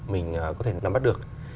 mình có thể nắm bắt được